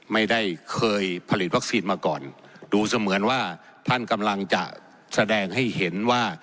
ไม่ได้เคยผลิตวัคซีนมาก่อนดูเสมือนว่าท่านกำลังจะแสดงให้เห็นว่า